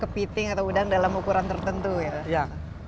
kepiting atau udang dalam ukuran tertentu ya